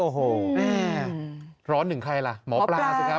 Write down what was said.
อ๋อโหมืมมร้อนถึงใครละหมอปราสึกครับ